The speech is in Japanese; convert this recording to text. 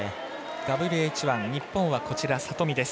ＷＨ１、日本は里見です。